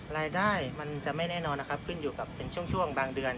รายได้มันจะไม่แน่นอนนะครับขึ้นอยู่กับเป็นช่วงบางเดือน